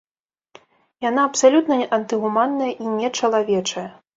Яна абсалютна антыгуманная і нечалавечая.